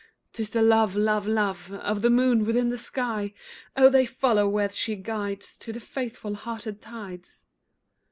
'Tis the love, love, love, Of the moon within the sky. Oh! they follow where she guides, Do the faithful hearted tides.